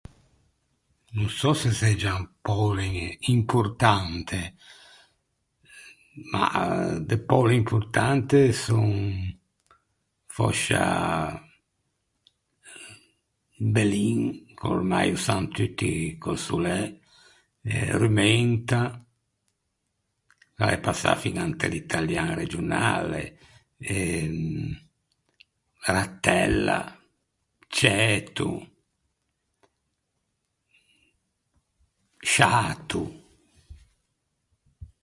No sò se seggian poule importante, ma de poule importante son, fòscia bellin, che ormai ô san tutti cös’o l’é, rumenta, ch’a l’é passâ fiña inte l’italian regionale e rattella, ciæto, sciato.